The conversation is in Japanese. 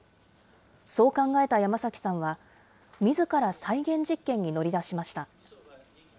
そう考えた山崎さんは、みずから再現実験に乗り出しました。